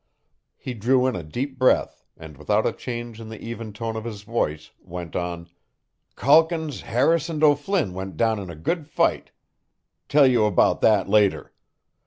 He drew in a deep breath, and without a change in the even tone of his voice, went on: "Calkins, Harris and O'Flynn went down in a good fight. Tell you about that later.